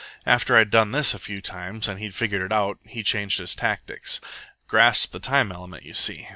After I'd done this a few times, and he'd figured it out, he changed his tactics. Grasped the time element, you see.